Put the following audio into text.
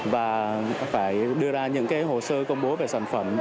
và phải đưa ra những hồ sơ công bố về sản phẩm